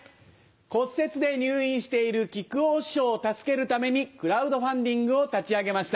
骨折で入院している木久扇師匠を助けるためにクラウドファンディングを立ち上げました。